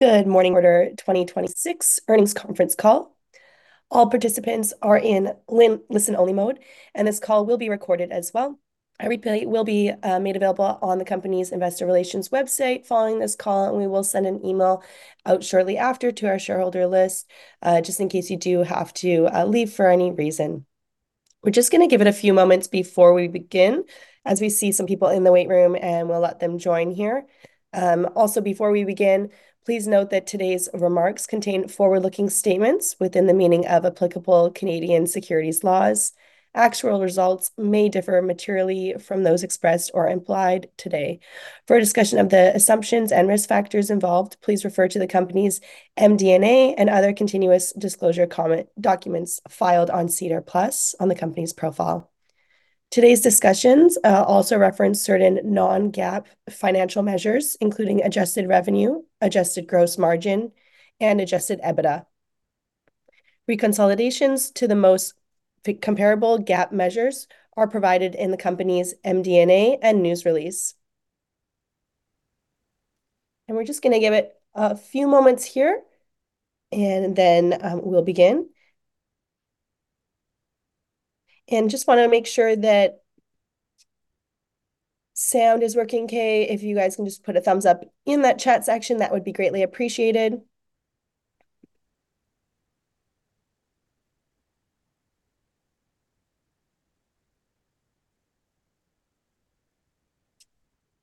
Good morning, Q1 2026 earnings conference call. All participants are in listen-only mode. This call will be recorded as well. A replay will be made available on the company's investor relations website following this call. We will send an email out shortly after to our shareholder list, just in case you do have to leave for any reason. We're just going to give it a few moments before we begin, as we see some people in the wait room, and we'll let them join here. Before we begin, please note that today's remarks contain forward-looking statements within the meaning of applicable Canadian securities laws. Actual results may differ materially from those expressed or implied today. For a discussion of the assumptions and risk factors involved, please refer to the company's MD&A and other continuous disclosure documents filed on SEDAR+ on the company's profile. Today's discussions also reference certain non-GAAP financial measures, including adjusted revenue, adjusted gross margin, and adjusted EBITDA. Reconciliations to the most comparable GAAP measures are provided in the company's MD&A and news release. We're just going to give it a few moments here, then we'll begin. Just want to make sure that sound is working okay. If you guys can just put a thumbs up in that chat section, that would be greatly appreciated.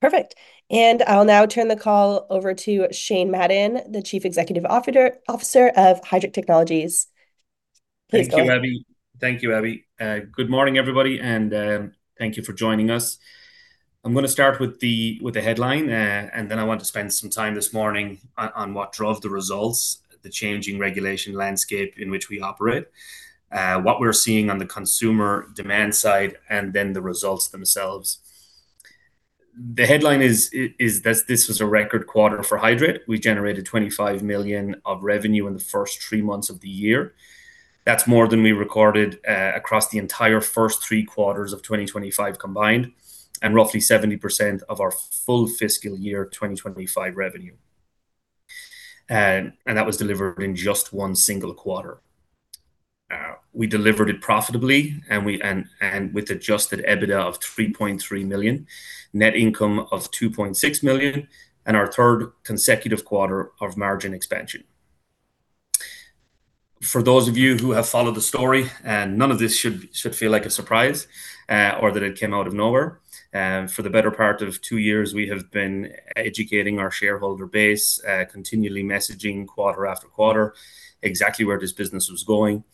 Perfect. I'll now turn the call over to Shane Madden, the Chief Executive Officer of Hydreight Technologies. Please go ahead. Thank you, Abbey. Good morning, everybody, and thank you for joining us. I'm going to start with the headline. Then I want to spend some time this morning on what drove the results, the changing regulation landscape in which we operate, what we're seeing on the consumer demand side, and then the results themselves. The headline is that this was a record quarter for Hydreight. We generated 25 million of revenue in the first three months of the year. That's more than we recorded across the entire first three quarters of 2025 combined. Roughly 70% of our full fiscal year 2025 revenue. That was delivered in just one single quarter. We delivered it profitably. With adjusted EBITDA of 3.3 million, net income of 2.6 million, and our third consecutive quarter of margin expansion. For those of you who have followed the story, none of this should feel like a surprise, or that it came out of nowhere. For the better part of two years, we have been educating our shareholder base, continually messaging quarter after quarter exactly where this business was going.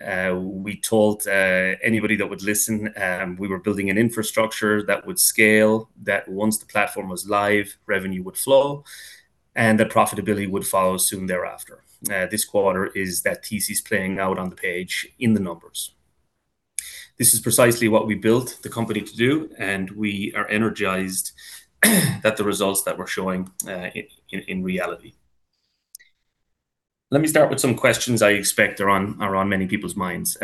We told anybody that would listen, we were building an infrastructure that would scale, that once the platform was live, revenue would flow, and that profitability would follow soon thereafter. This quarter is that thesis playing out on the page in the numbers. This is precisely what we built the company to do, and we are energized that the results that we're showing in reality. Let me start with some questions I expect are on many people's minds.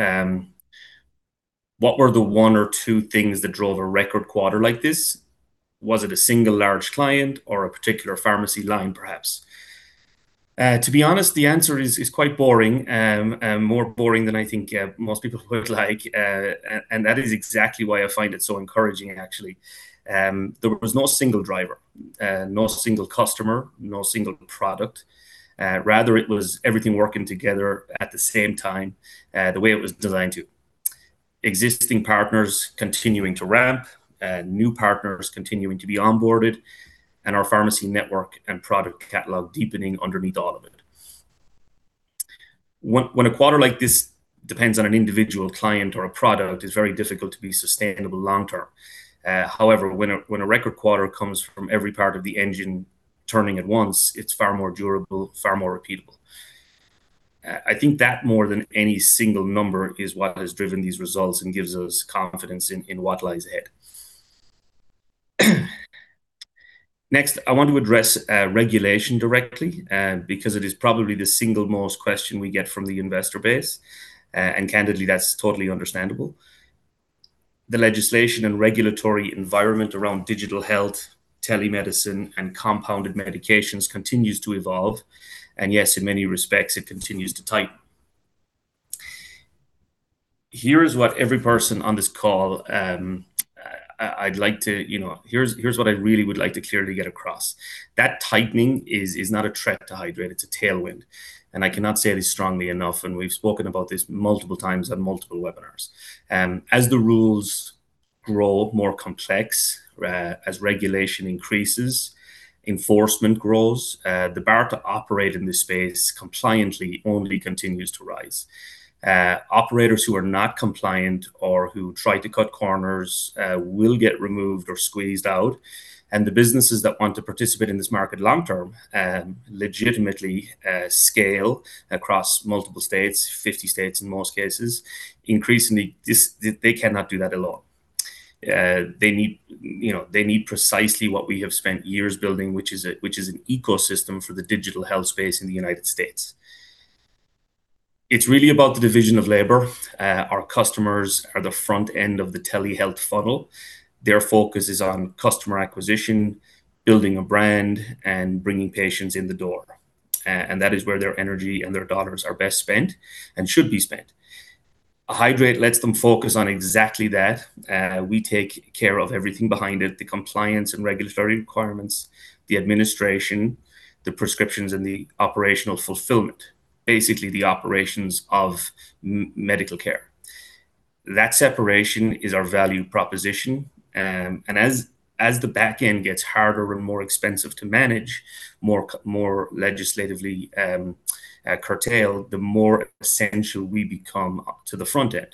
What were the one or two things that drove a record quarter like this? Was it a single large client or a particular pharmacy line, perhaps? To be honest, the answer is quite boring, more boring than I think most people would like. That is exactly why I find it so encouraging, actually. There was no single driver, no single customer, no single product. Rather, it was everything working together at the same time, the way it was designed to. Existing partners continuing to ramp, new partners continuing to be onboarded, and our pharmacy network and product catalog deepening underneath all of it. When a quarter like this depends on an individual client or a product, it's very difficult to be sustainable long term. However, when a record quarter comes from every part of the engine turning at once, it's far more durable, far more repeatable. I think that more than any single number is what has driven these results and gives us confidence in what lies ahead. I want to address regulation directly, because it is probably the single most question we get from the investor base. Candidly, that's totally understandable. The legislation and regulatory environment around digital health, telemedicine, and compounded medications continues to evolve. Yes, in many respects, it continues to tighten. Here's what I really would like to clearly get across. That tightening is not a threat to Hydreight, it's a tailwind. I cannot say this strongly enough, and we've spoken about this multiple times on multiple webinars. As the rules grow more complex, as regulation increases, enforcement grows, the bar to operate in this space compliantly only continues to rise. Operators who are not compliant or who try to cut corners will get removed or squeezed out. The businesses that want to participate in this market long term legitimately scale across multiple states, 50 states in most cases. Increasingly, they cannot do that alone. They need precisely what we have spent years building, which is an ecosystem for the digital health space in the United States. It's really about the division of labor. Our customers are the front end of the telehealth funnel. Their focus is on customer acquisition, building a brand, and bringing patients in the door. That is where their energy and their dollars are best spent and should be spent. Hydreight lets them focus on exactly that. We take care of everything behind it, the compliance and regulatory requirements, the administration, the prescriptions, and the operational fulfillment, basically the operations of medical care. That separation is our value proposition. As the back end gets harder and more expensive to manage, more legislatively curtailed, the more essential we become to the front end.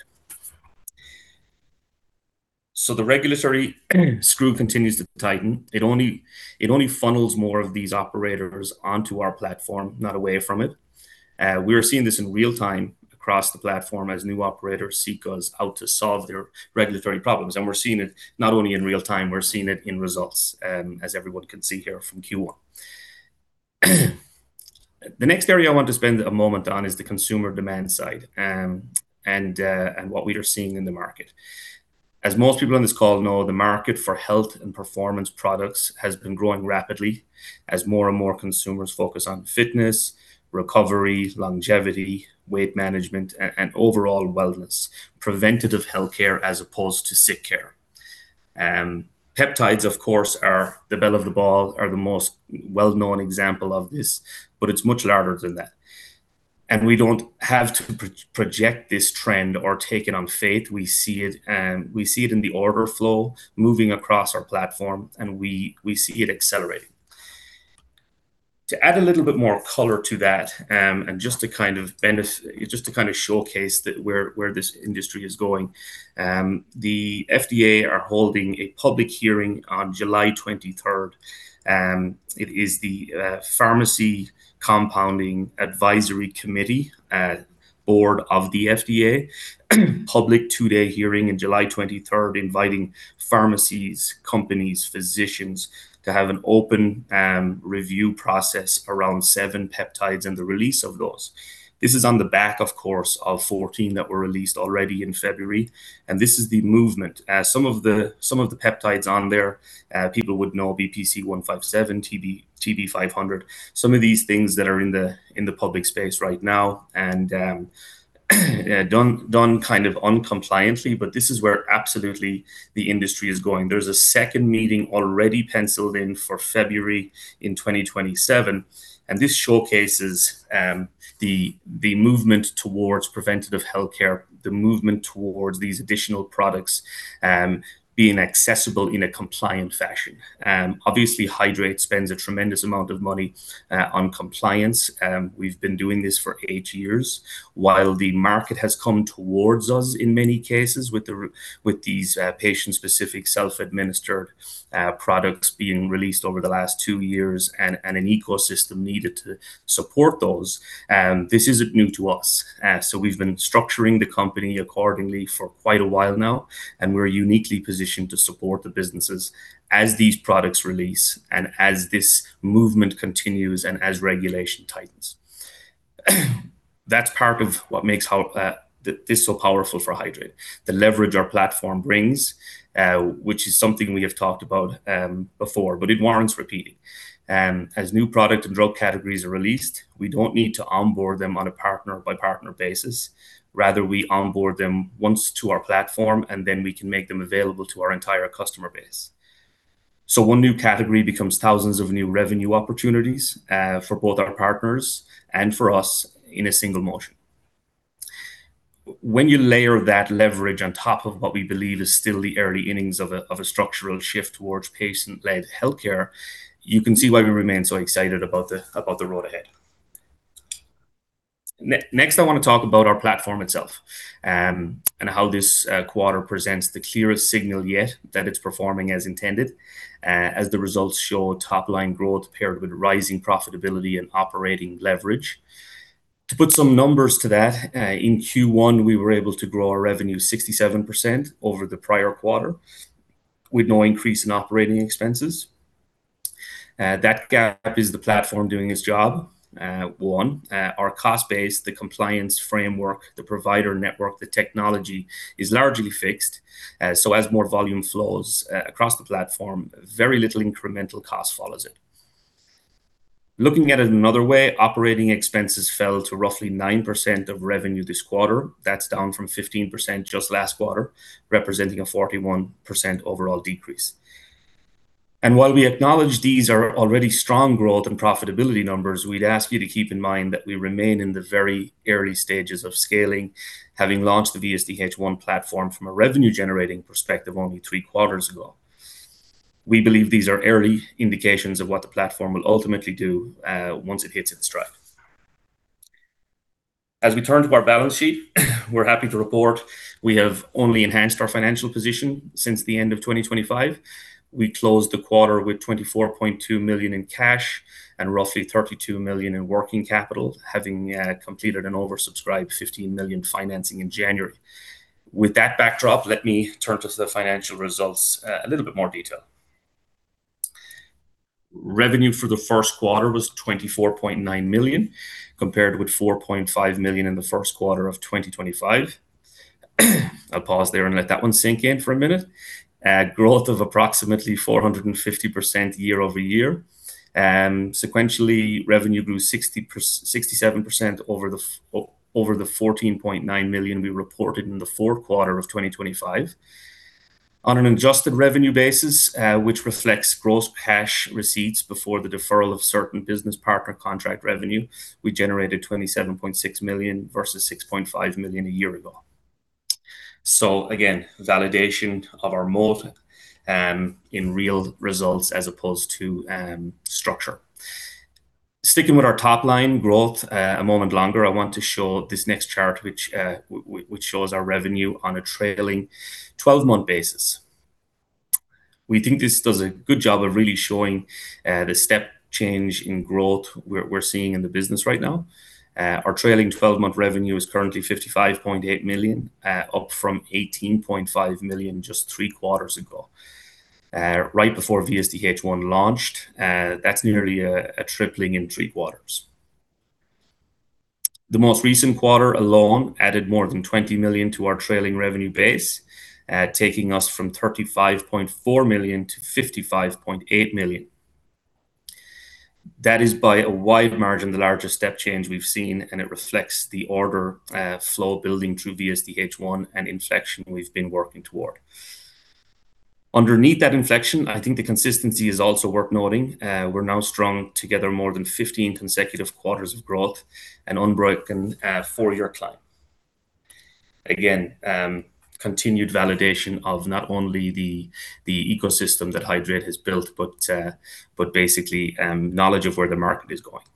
The regulatory screw continues to tighten. It only funnels more of these operators onto our platform, not away from it. We're seeing this in real time across the platform as new operators seek us out to solve their regulatory problems. We're seeing it not only in real time, we're seeing it in results, as everyone can see here from Q1. The next area I want to spend a moment on is the consumer demand side and what we are seeing in the market. As most people on this call know, the market for health and performance products has been growing rapidly as more and more consumers focus on fitness, recovery, longevity, weight management, and overall wellness, preventative healthcare as opposed to sick care. Peptides, of course, are the belle of the ball, are the most well-known example of this, but it's much larger than that. We don't have to project this trend or take it on faith. We see it in the order flow moving across our platform, and we see it accelerating. To add a little bit more color to that, and just to kind of showcase where this industry is going, the FDA are holding a public hearing on July 23rd. It is the Pharmacy Compounding Advisory Committee of the FDA public two-day hearing in July 23rd, inviting pharmacies, companies, physicians to have an open review process around seven peptides and the release of those. This is on the back, of course, of 14 that were released already in February, and this is the movement. Some of the peptides on there people would know BPC-157, TB-500, some of these things that are in the public space right now and done kind of uncompliantly. This is where absolutely the industry is going. There's a second meeting already penciled in for February in 2027. This showcases the movement towards preventative healthcare, the movement towards these additional products being accessible in a compliant fashion. Obviously, Hydreight spends a tremendous amount of money on compliance. We've been doing this for eight years while the market has come towards us in many cases with these patient-specific, self-administered products being released over the last two years and an ecosystem needed to support those. This isn't new to us. We've been structuring the company accordingly for quite a while now, and we're uniquely positioned to support the businesses as these products release and as this movement continues and as regulation tightens. That's part of what makes this so powerful for Hydreight. The leverage our platform brings which is something we have talked about before, but it warrants repeating. As new product and drug categories are released, we don't need to onboard them on a partner-by-partner basis. Rather, we onboard them once to our platform, and then we can make them available to our entire customer base. One new category becomes thousands of new revenue opportunities for both our partners and for us in a single motion. When you layer that leverage on top of what we believe is still the early innings of a structural shift towards patient-led healthcare, you can see why we remain so excited about the road ahead. Next, I want to talk about our platform itself and how this quarter presents the clearest signal yet that it's performing as intended as the results show top-line growth paired with rising profitability and operating leverage. To put some numbers to that, in Q1, we were able to grow our revenue 67% over the prior quarter with no increase in operating expenses. That gap is the platform doing its job. One our cost base, the compliance framework, the provider network, the technology is largely fixed. As more volume flows across the platform, very little incremental cost follows it. Looking at it another way, operating expenses fell to roughly 9% of revenue this quarter. That's down from 15% just last quarter, representing a 41% overall decrease. While we acknowledge these are already strong growth and profitability numbers, we'd ask you to keep in mind that we remain in the very early stages of scaling, having launched the VSDHOne platform from a revenue-generating perspective only three quarters ago. We believe these are early indications of what the platform will ultimately do once it hits its stride. We turn to our balance sheet, we're happy to report we have only enhanced our financial position since the end of 2025. We closed the quarter with 24.2 million in cash and roughly 32 million in working capital, having completed an oversubscribed 15 million financing in January. With that backdrop, let me turn to the financial results a little bit more detail. Revenue for the first quarter was 24.9 million, compared with 4.5 million in the first quarter of 2025. I'll pause there and let that one sink in for a minute. Growth of approximately 450% year-over-year. Sequentially, revenue grew 67% over the 14.9 million we reported in the fourth quarter of 2025. On an adjusted revenue basis, which reflects gross cash receipts before the deferral of certain business partner contract revenue, we generated 27.6 million versus 6.5 million a year ago. Again, validation of our moat in real results as opposed to structure. Sticking with our top-line growth a moment longer, I want to show this next chart, which shows our revenue on a trailing 12-month basis. We think this does a good job of really showing the step change in growth we're seeing in the business right now. Our trailing 12-month revenue is currently 55.8 million, up from 18.5 million just three quarters ago, right before VSDHOne launched. That's nearly a tripling in three quarters. The most recent quarter alone added more than 20 million to our trailing revenue base, taking us from 35.4 million-55.8 million. That is by a wide margin the largest step change we've seen, and it reflects the order flow building through VSDHOne and inflection we've been working toward. Underneath that inflection, I think the consistency is also worth noting. We're now strung together more than 15 consecutive quarters of growth and unbroken four-year climb. Again, continued validation of not only the ecosystem that Hydreight has built but basically knowledge of where the market is going.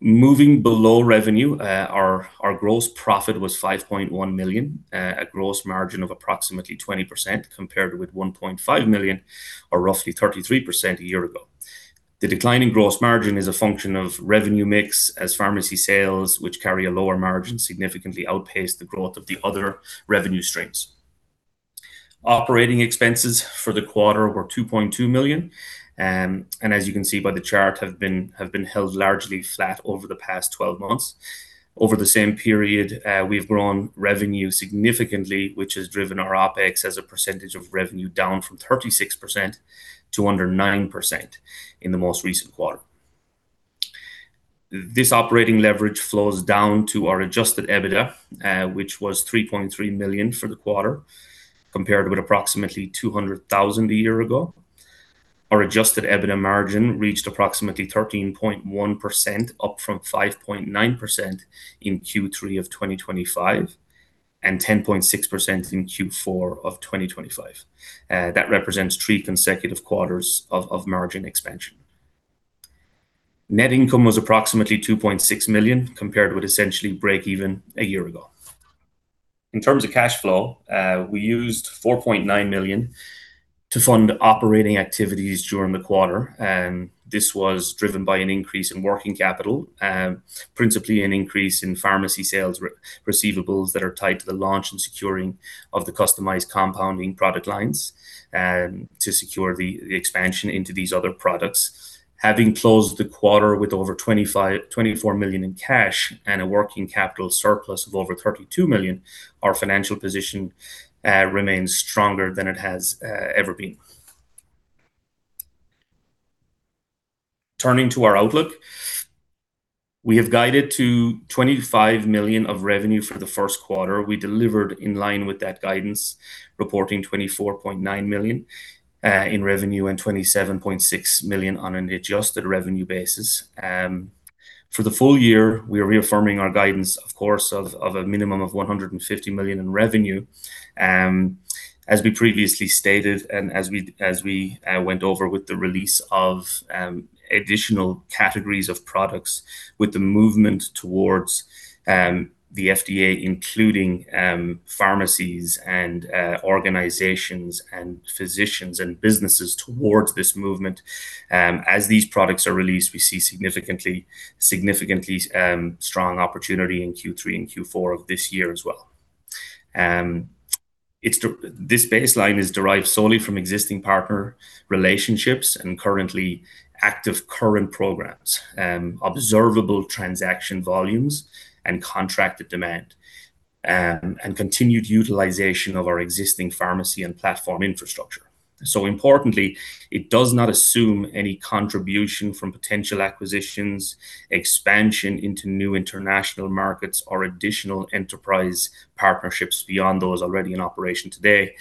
Moving below revenue, our gross profit was 5.1 million at gross margin of approximately 20%, compared with 1.5 million or roughly 33% a year ago. The decline in gross margin is a function of revenue mix as pharmacy sales, which carry a lower margin, significantly outpaced the growth of the other revenue streams. Operating expenses for the quarter were 2.2 million, and as you can see by the chart, have been held largely flat over the past 12 months. Over the same period, we've grown revenue significantly, which has driven our OPEX as a percentage of revenue down from 36% to under 9% in the most recent quarter. This operating leverage flows down to our adjusted EBITDA, which was 3.3 million for the quarter, compared with approximately 200,000 a year ago. Our adjusted EBITDA margin reached approximately 13.1%, up from 5.9% in Q3 of 2025 and 10.6% in Q4 of 2025. That represents three consecutive quarters of margin expansion. Net income was approximately 2.6 million compared with essentially break even a year ago. In terms of cash flow, we used 4.9 million to fund operating activities during the quarter. This was driven by an increase in working capital, principally an increase in pharmacy sales receivables that are tied to the launch and securing of the customized compounding product lines to secure the expansion into these other products. Having closed the quarter with over 24 million in cash and a working capital surplus of over 32 million, our financial position remains stronger than it has ever been. Turning to our outlook, we have guided to 25 million of revenue for the first quarter. We delivered in line with that guidance, reporting 24.9 million in revenue and 27.6 million on an adjusted revenue basis. For the full year, we are reaffirming our guidance, of course, of a minimum of 150 million in revenue. As we previously stated and as we went over with the release of additional categories of products with the movement towards the FDA, including pharmacies and organizations and physicians and businesses towards this movement. As these products are released, we see significantly strong opportunity in Q3 and Q4 of this year as well. This baseline is derived solely from existing partner relationships and currently active current programs, observable transaction volumes and contracted demand, and continued utilization of our existing pharmacy and platform infrastructure. Importantly, it does not assume any contribution from potential acquisitions, expansion into new international markets or additional enterprise partnerships beyond those already in operation today.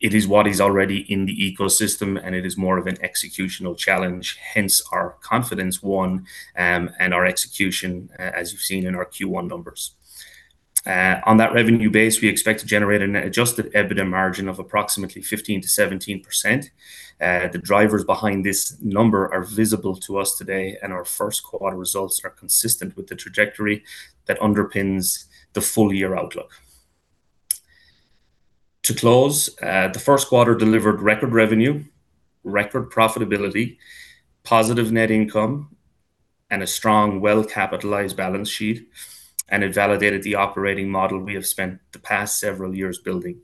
It is what is already in the ecosystem. It is more of an executional challenge, hence our confidence won and our execution, as you've seen in our Q1 numbers. On that revenue base, we expect to generate an adjusted EBITDA margin of approximately 15%-17%. The drivers behind this number are visible to us today. Our first quarter results are consistent with the trajectory that underpins the full year outlook. To close, the first quarter delivered record revenue, record profitability, positive net income, and a strong, well-capitalized balance sheet. It validated the operating model we have spent the past several years building.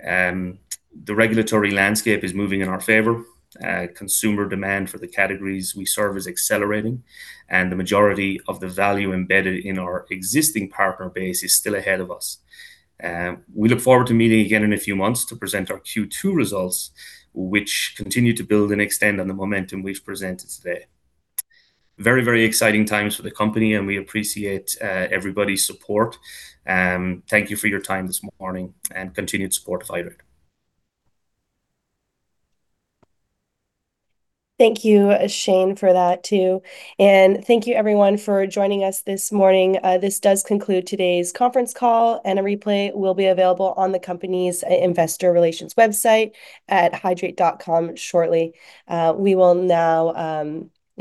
The regulatory landscape is moving in our favor. Consumer demand for the categories we serve is accelerating. The majority of the value embedded in our existing partner base is still ahead of us. We look forward to meeting again in a few months to present our Q2 results, which continue to build and extend on the momentum we've presented today. Very exciting times for the company, and we appreciate everybody's support. Thank you for your time this morning and continued support of Hydreight. Thank you, Shane, for that too. Thank you everyone for joining us this morning. This does conclude today's conference call, and a replay will be available on the company's investor relations website at hydreight.com shortly. We will now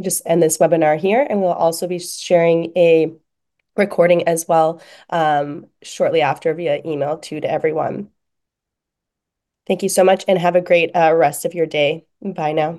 just end this webinar here, and we'll also be sharing a recording as well shortly after via email too to everyone. Thank you so much and have a great rest of your day. Bye now.